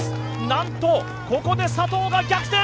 何とここで佐藤が逆転！